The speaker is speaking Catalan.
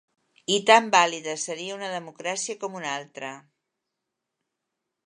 I tan vàlida seria una democràcia com una altra.